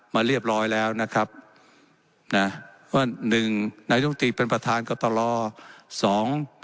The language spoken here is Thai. มาเรียบร้อยแล้วนะครับว่า๑นายกรุงตรีเป็นประธานก็ตลอด